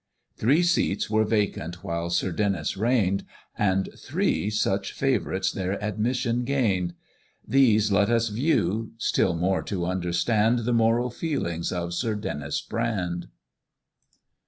Three seats were vacant while Sir Denys reign'd, And three such favourites their admission gain'd; These let us view, still more to understand The moral feelings of Sir Denys Brand.